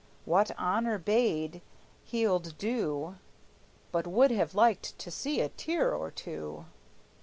What honor bade, he'ld do, But would have liked to see a tear or two.